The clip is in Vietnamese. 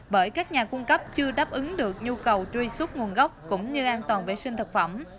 bởi các nhà cung cấp chưa đáp ứng được nhu cầu truy xuất nguồn gốc cũng như an toàn vệ sinh thực phẩm